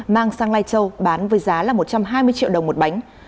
mang sang lai châu bán với giá là một trăm hai mươi triệu đồng một bánh